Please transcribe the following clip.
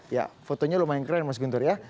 ya fotonya lumayan keren mas guntur ya